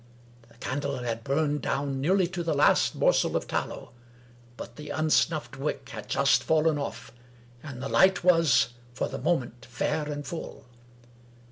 The candle had burned down nearly to the last morsel of tallow, but the unsnuflFed wick had just fallen off, and the light was, for the moment, fair and full.